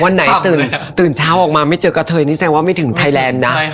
วันไหนตื่นเช้าออกมาไม่เจอกระเทยนี่แสดงว่าไม่ถึงไทยแลนด์นะ